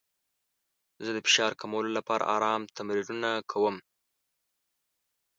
زه د فشار کمولو لپاره ارام تمرینونه کوم.